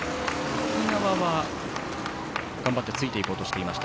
沖縄は頑張ってついていこうとしていました。